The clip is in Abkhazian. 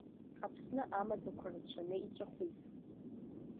Аԥсны амаӡақәа рацәаны иҵәахуп.